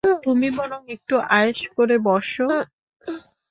তুমি বরং একটু আয়েশ করে বস?